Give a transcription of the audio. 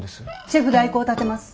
シェフ代行を立てます。